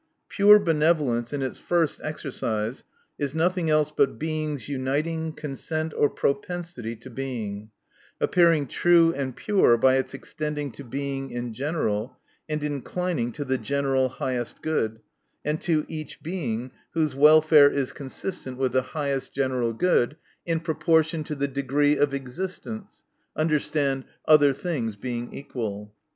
Pure benevolence in its first exer cise is nothing else but Being's uniting consent, or propensity to Being ; appearing true and pure by its extending to Being in general, and inclining to the general highest good, and to each Being, whose welfare is consistent with the highest general good, in proportion to the degree of existence* understood, other things being equal.